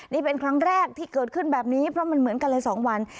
นี่เป็นครั้งแรกที่เกิดขึ้นแบบนี้เพราะมันเหมือนกันเลย๒วัน